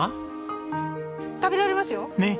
食べられますよ。